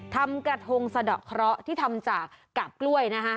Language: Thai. ทำกระทงสะดอกเคราะห์ที่ทำจากกาบกล้วยนะฮะ